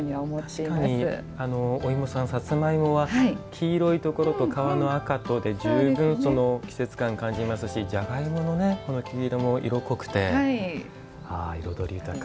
確かにおいもさん、さつまいもは黄色いところと皮の赤で十分、季節感、感じますしじゃがいものこの黄色も色濃くて彩り豊か。